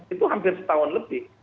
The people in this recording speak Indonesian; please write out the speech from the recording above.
itu hampir setahun lebih